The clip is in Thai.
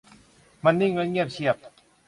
มันนิ่งและเงียบเชียบ